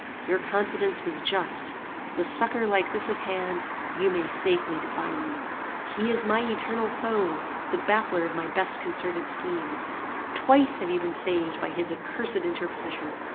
Your confidence was just. With succour like this at hand you may safely defy me. "He is my eternal foe; the baffler of my best concerted schemes. Twice have you been saved by his accursed interposition.